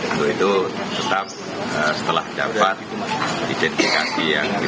untuk itu tetap setelah jabat identifikasi yang dimaksud